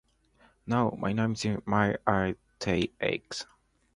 Now, my opponent might argue that X.